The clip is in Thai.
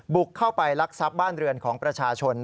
บุกเข้าไปลักทรัพย์บ้านเรือนของประชาชน